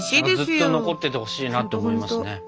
ずっと残っててほしいなと思いますね。